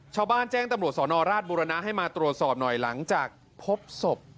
แจ้งตำรวจสอนอราชบุรณะให้มาตรวจสอบหน่อยหลังจากพบศพ